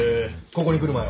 ここに来る前は？